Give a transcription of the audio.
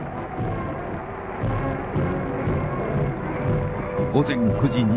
午前９時２０分。